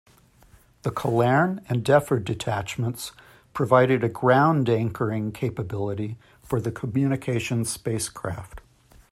The Colerne and Defford detachments provided a ground anchoring capability for the communications spacecraft.